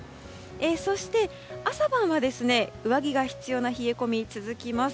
そして、朝晩は上着が必要な冷え込みが続きます。